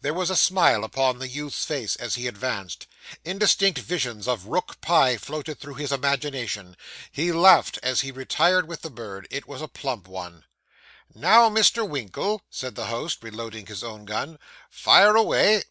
There was a smile upon the youth's face as he advanced. Indistinct visions of rook pie floated through his imagination. He laughed as he retired with the bird it was a plump one. 'Now, Mr. Winkle,' said the host, reloading his own gun. 'Fire away.